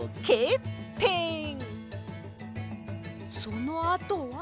そのあとは。